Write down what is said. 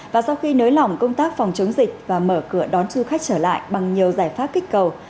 và sau khi nới lỏng công tác phòng chống dịch và mở cửa đón du khách trở lại bằng nhiều giải pháp kích cầu